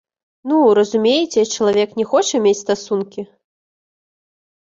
Ну, разумееце, чалавек не хоча мець стасункі.